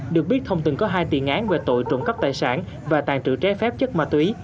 được biết thông từng có hai tiền án về tội trộn cấp tài sản và tàn trữ tré phép chất ma túy